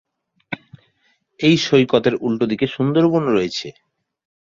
এই সৈকতের উল্টোদিকে সুন্দরবন রয়েছে।